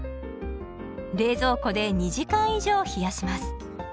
冷蔵庫で２時間以上冷やします。